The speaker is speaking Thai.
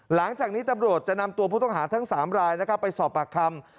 หลังจากนี้ตำรวจจะนำตัวผู้ต้องหาทั้ง๓รายนะครับไปสอบปากคำ